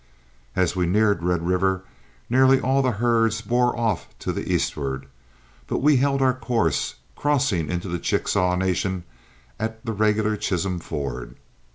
As we neared Red River, nearly all the herds bore off to the eastward, but we held our course, crossing into the Chickasaw Nation at the regular Chisholm ford.